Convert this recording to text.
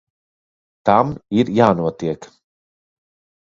Tam ir jānotiek.